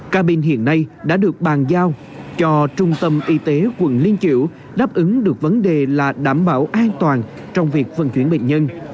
cabin hiện nay đã được bàn giao cho trung tâm y tế quận liên triệu đáp ứng được vấn đề là đảm bảo an toàn trong việc vận chuyển bệnh nhân